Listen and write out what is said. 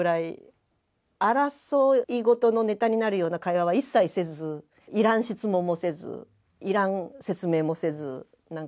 争いごとのネタになるような会話は一切せずいらん質問もせずいらん説明もせずなんか